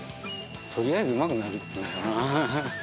とりあえず、うまくなるっつうのかな。